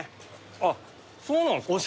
あっそうなんですか？